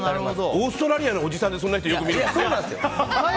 オーストラリアのおじさんでそんな人よく見るよね。